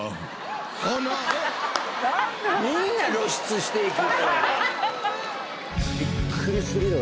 みんな露出していく。